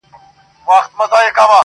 • خو زړې نښې پاتې وي تل,